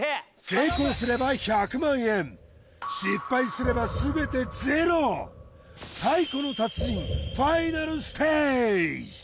成功すれば１００万円失敗すれば全てゼロ太鼓の達人ファイナルステージ